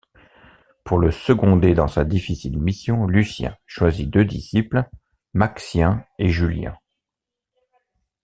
Pour le seconder dans sa difficile mission, Lucien choisit deux disciples, Maxien et Julien.